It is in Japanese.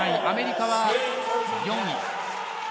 アメリカは４位。